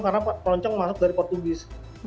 karena ronjong masuk dari portugis